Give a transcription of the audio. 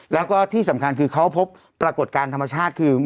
แล้วก็ที่สำคัญคือเขาพบปรากฏการณ์ธรรมชาติคือ